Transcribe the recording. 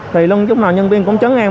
thì luôn chúng nào nhân viên cũng chấn ngang